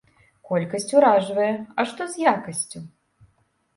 Колькасць уражвае, а што з якасцю?